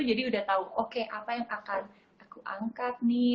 jadi sudah tahu oke apa yang akan aku angkat nih